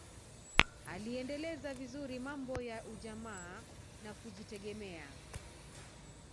aliendeleza vizuri mambo ya ujamaa na kujitegemea